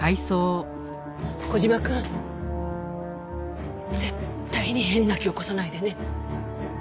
小島くん絶対に変な気起こさないでね。